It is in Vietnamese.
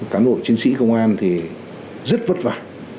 cán bộ chiến sĩ công an thì rất vất vả